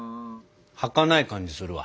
はかない感じするわ。